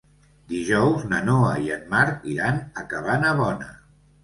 Dijous na Noa i en Marc iran a Cabanabona.